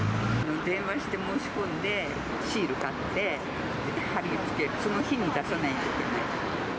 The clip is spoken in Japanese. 電話して申し込んで、シール買って、貼り付けて、その日に出さないといけない。